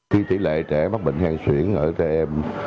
khi tỉ lệ trẻ mắc bệnh hen xuyển ở trẻ em